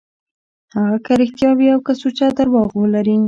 هغه که رښتيا وي او که سوچه درواغ وي.